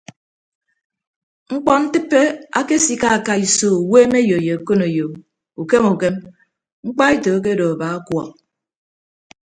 Mkpọntịppe akesikaaka iso uweemeyo ye okoneyo ukem ukem mkpaeto akedo aba ọkuọọk.